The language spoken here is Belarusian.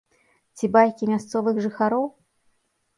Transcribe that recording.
Ці байкі мясцовых жыхароў?